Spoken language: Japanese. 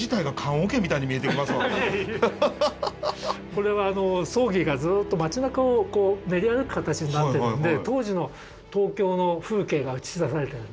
これは葬儀がずっと街なかを練り歩く形になってるんで当時の東京の風景が映し出されてるんですね。